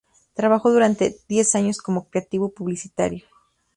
Trabajó durante diez años como creativo publicitario.